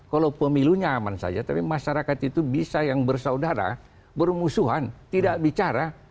kalau pemilunya aman saja tapi masyarakat itu bisa yang bersaudara bermusuhan tidak bicara